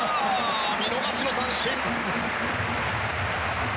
見逃しの三振！